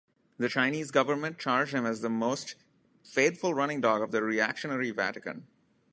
The Chinese government charged him as the most faithful running-dog of the reactionary Vatican.